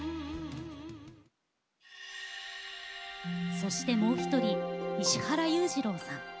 そしてもう１人、石原裕次郎さん。